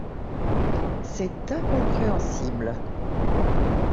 C’est incompréhensible.